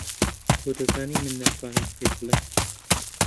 تۆ دەزانی من ناتوانم پێت بڵێم.